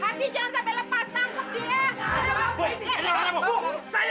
pasti jangan sampai lepas tangkep dia